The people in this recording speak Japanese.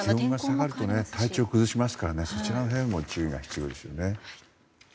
気温が下がると体調を崩しますからそちらも注意が必要ですよね。